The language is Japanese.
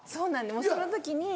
もうその時に。